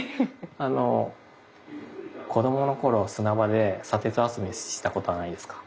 あの子どもの頃砂場で砂鉄集めしたことはないですか？